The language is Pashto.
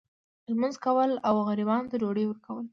لمونځ کول او غریبانو ته ډوډۍ ورکول.